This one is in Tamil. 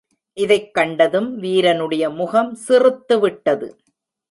இதைக் கண்டதும் வீரனுடைய முகம் சிறுத்துவிட்டது.